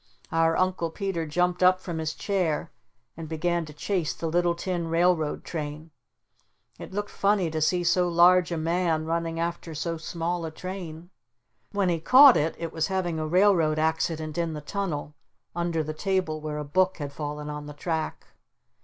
Our Uncle Peter jumped up from his chair and began to chase the little tin railroad train. It looked funny to see so large a man running after so small a train. When he caught it it was having a railroad accident in the tunnel under the table where a book had fallen on the track.